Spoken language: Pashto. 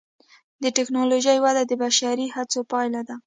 د ټکنالوجۍ وده د بشري هڅو پایله ده.